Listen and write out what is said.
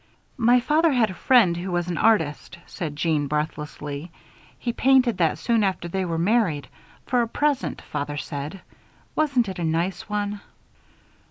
"My father had a friend who was an artist," said Jeanne, breathlessly. "He painted that soon after they were married. For a present, father said. Wasn't it a nice one?"